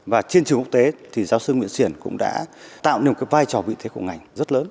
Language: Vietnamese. và trên trường quốc tế thì giáo sư nguyễn xiển cũng đã tạo nên một cái vai trò vị thế của ngành rất lớn